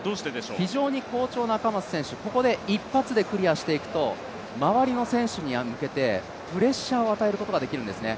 非常に好調な選手、ここで一発でクリアしていくと周りの選手に向けて、プレッシャーを与えることができるんですね。